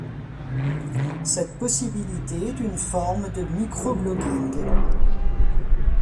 Cette possibilité est une forme de Microblogging.